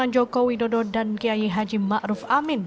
jokowi dan ma'ruf amin